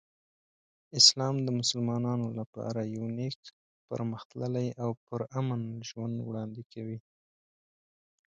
اسلام د مسلمانانو لپاره یو نیک، پرمختللی او پرامن ژوند وړاندې کوي.